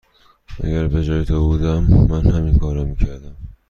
اگر به جای تو بودم، من همین کار را می کردم.